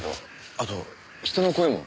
あと人の声も。